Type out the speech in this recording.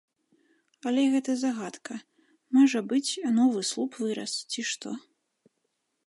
Але гэта загадка, можа быць, новы слуп вырас ці што.